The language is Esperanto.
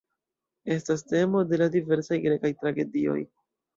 Estas temo de la diversaj grekaj tragedioj.